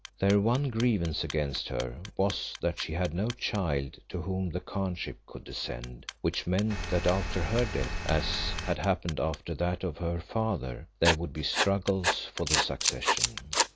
Their one grievance against her was that she had no child to whom the khanship could descend, which meant that after her death, as had happened after that of her father, there would be struggles for the succession.